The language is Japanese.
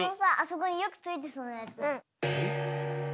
そこによくついてそうなやつ。